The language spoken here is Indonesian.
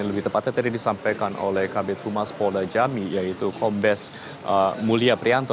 lebih tepatnya tadi disampaikan oleh kabinet rumah sepolah jambi yaitu kombes mulia prianto